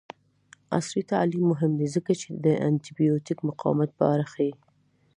عصري تعلیم مهم دی ځکه چې د انټي بایوټیک مقاومت په اړه ښيي.